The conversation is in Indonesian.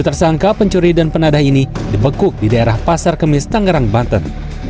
tersangka pencuri dan penadah ini dibekuk di daerah pasar kemis tangerang banten